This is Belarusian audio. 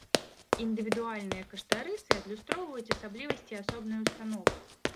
Індывідуальныя каштарысы адлюстроўваюць асаблівасці асобнай установы.